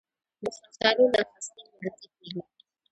د شفتالو له خستې نیالګی کیږي؟